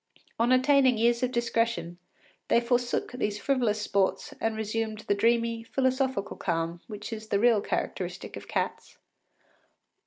On attaining years of discretion, they forsook these frivolous sports and resumed the dreamy, philosophical calm which is the real characteristic of cats.